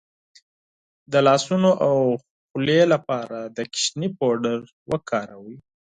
د لاسونو د خولې لپاره د ماشوم پوډر وکاروئ